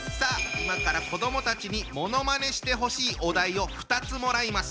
今から子どもたちにものまねしてほしいお題を２つもらいます。